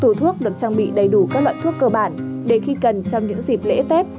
số thuốc được trang bị đầy đủ các loại thuốc cơ bản để khi cần trong những dịp lễ tết